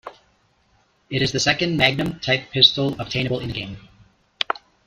It is the second "Magnum" type pistol obtainable in the game.